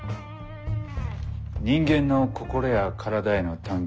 人間の心や体への探求。